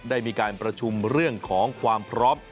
ได้มีการประชุมเรื่องของความพร้อม